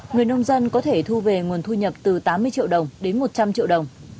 người nông dân có thể thu về nguồn thu nhập từ tám mươi triệu đồng đến một trăm linh triệu đồng